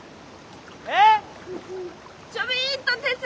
えっ？